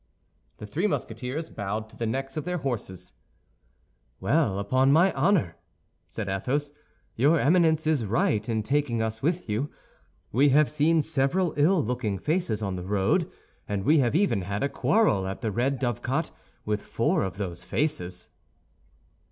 The three Musketeers bowed to the necks of their horses. "Well, upon my honor," said Athos, "your Eminence is right in taking us with you; we have seen several ill looking faces on the road, and we have even had a quarrel at the Red Dovecot with four of those faces."